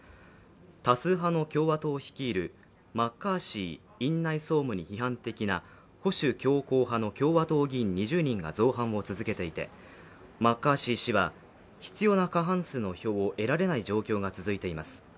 多数派の共和党率いるマッカーシー院内総務に批判的な保守強硬派の共和党議員２０人が造反を続けていてマッカーシー氏は、必要な過半数の票を得られない状況が続いています。